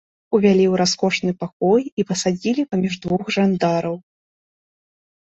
Увялі ў раскошны пакой і пасадзілі паміж двух жандараў.